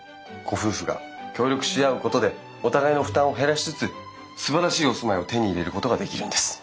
ご夫婦が協力し合うことでお互いの負担を減らしつつすばらしいお住まいを手に入れることができるんです。